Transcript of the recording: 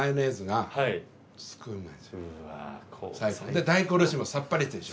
で大根おろしもさっぱりしてるし。